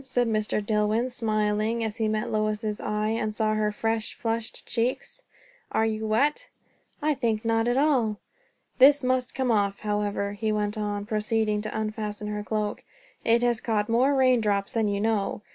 said Mr. Dillwyn, smiling, as he met Lois's eyes, and saw her fresh, flushed cheeks. "Are you wet?" "I think not at all." "This must come off, however," he went on, proceeding to unfasten her cloak; "it has caught more rain drops than you know."